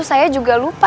saya juga lupa